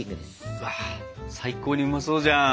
うわ最高にうまそうじゃん！